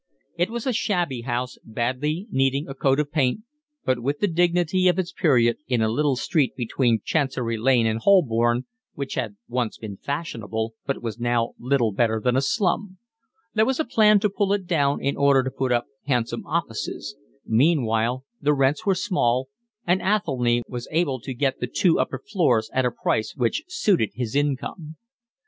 It was a shabby house, badly needing a coat of paint, but with the dignity of its period, in a little street between Chancery Lane and Holborn, which had once been fashionable but was now little better than a slum: there was a plan to pull it down in order to put up handsome offices; meanwhile the rents were small, and Athelny was able to get the two upper floors at a price which suited his income.